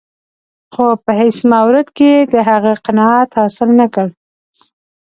خو په هېڅ مورد کې یې د هغه قناعت حاصل نه کړ.